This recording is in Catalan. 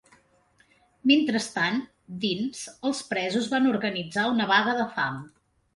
Mentrestant, dins, els presos van organitzar una vaga de fam.